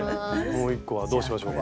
もう一個はどうしましょうか？